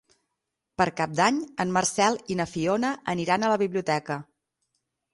Per Cap d'Any en Marcel i na Fiona aniran a la biblioteca.